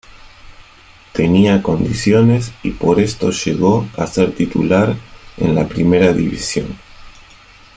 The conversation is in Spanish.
Tenía condiciones y por esto llegó a ser titular en la primera división.